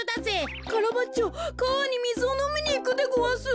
カラバッチョかわにみずをのみにいくでごわす。